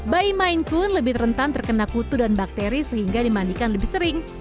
bayi mainkun lebih rentan terkena kutu dan bakteri sehingga dimandikan lebih sering